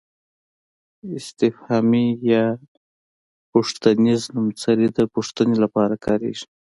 استفهامي یا پوښتنیز نومځري د پوښتنې لپاره کاریږي.